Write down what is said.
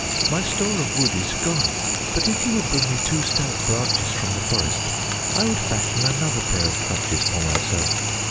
My store of wood is gone; but if you would bring me two stout branches from the forest, I would fashion another pair of crutches for myself.